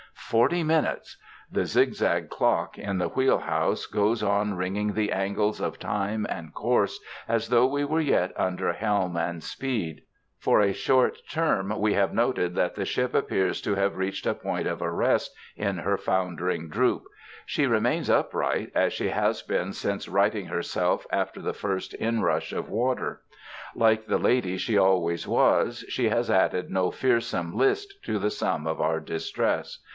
Forty minutes! The zigzag clock in the wheelhouse goes on ringing the angles of time and course as though we were yet under helm and speed. For a short term we have noted that the ship appears to have reached a point of arrest in her foundering droop. She remains upright as she has been since righting herself after the first inrush of water. Like the lady she always was, she has added no fearsome list to the sum of our distress.